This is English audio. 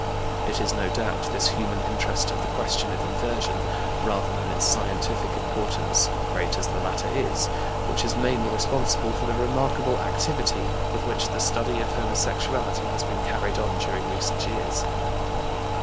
It is no doubt this human interest of the question of inversion, rather than its scientific importance, great as the latter is, which is mainly responsible for the remarkable activity with which the study of homosexuality has been carried on during recent years.